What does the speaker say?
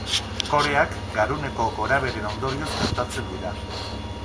Koreak garuneko gorabeheren ondorioz gertatzen dira.